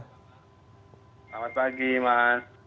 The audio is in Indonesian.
selamat pagi mas